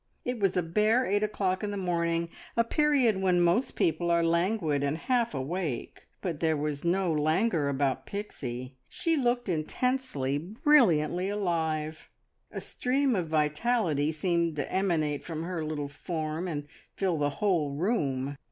It was a bare eight o'clock in the morning, a period when most people are languid and half awake. But there was no languor about Pixie; she looked intensely, brilliantly alive. A stream of vitality seemed to emanate from her little form and fill the whole room.